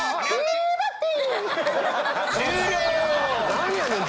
何やねん！